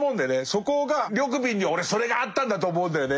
そこが緑敏には俺それがあったんだと思うんだよね。